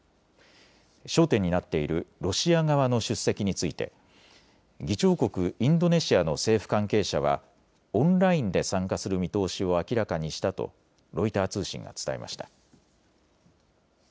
焦点になっているロシア側の出席について議長国インドネシアの政府関係者はオンラインで参加する見通しを明らかにしたとロイター通信が伝えました。